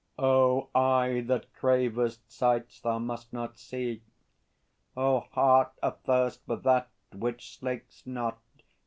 O eye that cravest sights thou must not see, O heart athirst for that which slakes not!